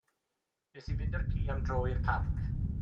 Wnes i fynd â'r ci am dro i'r parc.